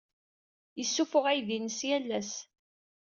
Yessuffuɣ aydi-nnes yal ass.